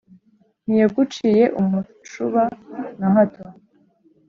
Ntiyaguciye umucuba na hato